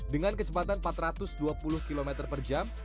dengan kecepatan empat ratus dua puluh km per jam